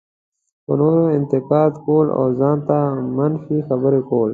په نورو انتقاد کول او ځان ته منفي خبرې کول.